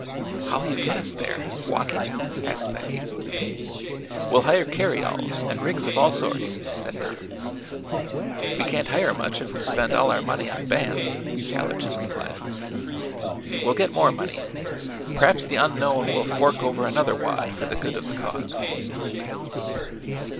"How'll you get us there walking?" asked Becky. "We'll hire carryalls, an' rigs of all sorts," said Don. "We can't hire much if we spend all our money on bands," Allerton replied. "We'll get more money. P'raps the Unknown will fork over another wad for the good of the cause."